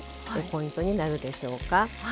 ポイントになるでしょうか。